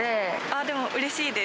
でもうれしいです。